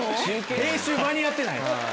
編集間に合ってない？